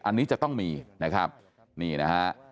อันนี้จะต้องมีนะครับนี่นะฮะ